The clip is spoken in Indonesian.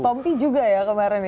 tompi juga ya kemarin